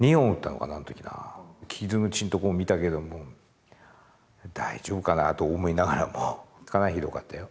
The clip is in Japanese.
傷口のところを見たけども大丈夫かなと思いながらもかなりひどかったよ。